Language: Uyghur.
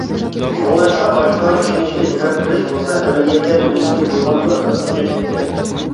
شۇڭلاشقا باشقىلار ئىشىنىشكە جۈرئەت قىلىش بولسا ئەمەلىيەتتە ئۆزىگە بولغان بىر خىل ئىشەنچ ئىكەن.